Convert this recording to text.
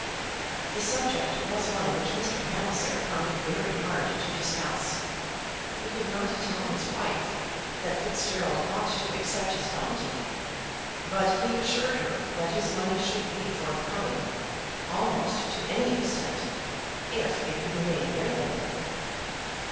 The subject was one which Mr. Palliser found it very hard to discuss. He could not tell his wife that Fitzgerald ought to accept his bounty; but he assured her that his money should be forthcoming, almost to any extent, if it could be made available.